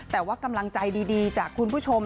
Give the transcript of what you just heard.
แต่ว่ากำลังใจดีจากคุณผู้ชม